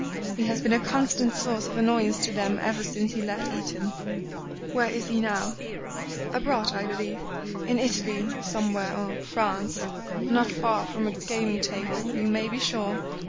He has been a constant source of annoyance to them ever since he left Eton." "Where is he now?" "Abroad, I believe. In Italy, somewhere, or France not far from a gaming table, you may be sure.